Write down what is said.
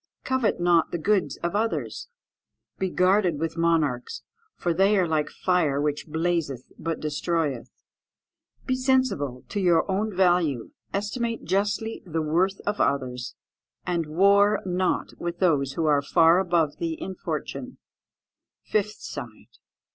"Covet not the goods of others. "Be guarded with monarchs, for they are like fire which blazeth but destroyeth. "Be sensible to your own value; estimate justly the worth of others; and war not with those who are far above thee in fortune." _Fifth side.